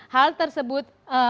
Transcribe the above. hal tersebut tidak memiliki basis fakta